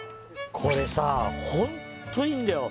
これさホントいいんだよ